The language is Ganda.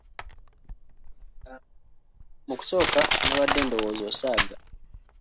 Mu kusooka nabadde ndowooza osaaga.